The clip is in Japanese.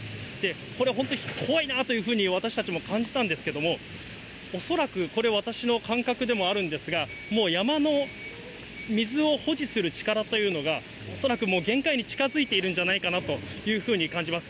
これ、本当怖いなというふうに、私たちも感じたんですけども、恐らくこれ、私の感覚でもあるんですが、もう山の水を保持する力というのが、恐らくもう限界に近づいているんじゃないかなというふうに感じます。